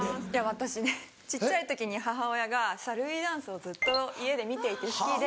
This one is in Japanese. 私ね小っちゃい時に母親が『Ｓｈａｌｌｗｅダンス？』をずっと家で見ていて好きで。